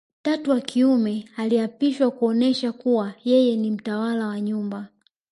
Tatu wa kiume aliapishwa kuonesha kuwa yeye ni mtawala wa nyumba